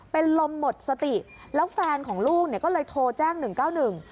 เป็นลมหมดสติแล้วแฟนของลูกก็เลยโทรแจ้ง๑๙๑